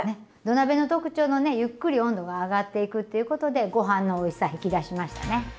土鍋の特徴のねゆっくり温度が上がっていくっていうことでご飯のおいしさ引き出しましたね。